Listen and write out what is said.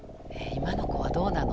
今の子はどうなの？